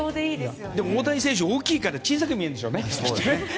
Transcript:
でも大谷選手、大きいから小さく見えるんでしょうね。